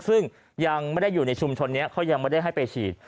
ซึ่งยังไม่ได้อยู่ในชุมชนนี้เขายังไม่ได้ให้ไปฉีด